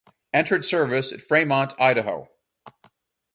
Entered service at: Fremont, Ohio.